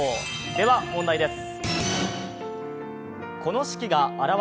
では問題です。